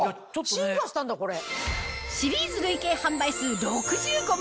進化したんだこれ。